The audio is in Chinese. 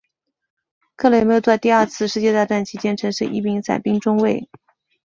克雷默在第二次世界大战期间曾是一名伞兵中尉。